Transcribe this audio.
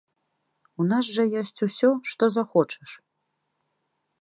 У нас жа ёсць ўсё што захочаш!